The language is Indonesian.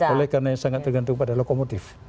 oleh karena sangat tergantung pada lokomotif